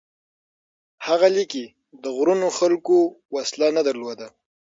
هغه لیکي: د غرونو خلکو وسله نه درلوده،